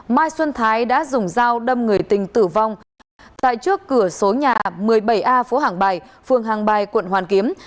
mai xuân thái đã dùng dao đâm người tình tử vong tại trước cửa số nhà một mươi bảy a phố hàng bài phường hàng bài quận hoàn kiếm